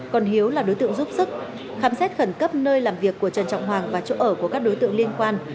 còn hiếu là đối tượng giúp sức khám xét khẩn cấp nơi làm việc của trần trọng hoàng và chỗ ở của các đối tượng liên quan